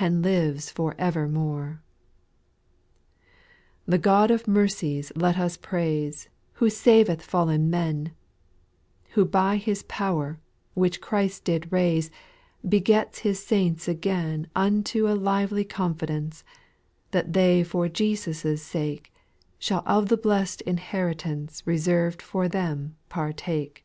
And lives for evermore. 5. The God of mercies let us praise, Who saveth fallen men : Who by His power, which Christ did raise, Begets His saints again Unto a lively confidence, That they for Jesus' sake, Shall of the blest inheritance Reserved for them partake.